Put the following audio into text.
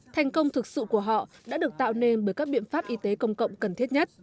thành công thực sự của họ đã được tạo nên bởi các biện pháp y tế công cộng cần thiết nhất